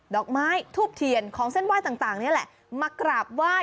อกไม้ทูบเทียนของเส้นไหว้ต่างนี่แหละมากราบไหว้